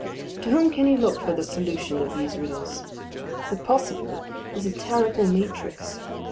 To whom can he look for the solution of these riddles? The Possible is a terrible matrix.